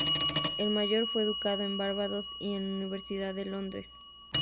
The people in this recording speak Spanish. El mayor fue educado en Barbados y en la Universidad de Londres.